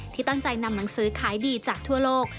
ที่ตั้งใจนำหนังสือขายดีจากทั่วโลก